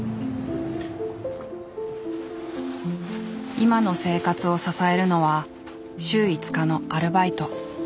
今の生活を支えるのは週５日のアルバイト。